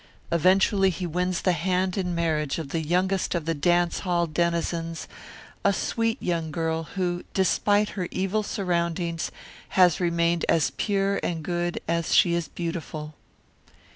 Eventually he wins the hand in marriage of the youngest of the dance hall denizens, a sweet young girl who despite her evil surroundings has remained as pure and good as she is beautiful.